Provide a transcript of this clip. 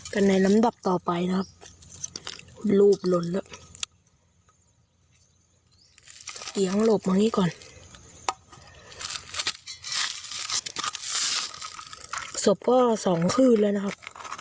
กันในนำดับต่อไปนะครับ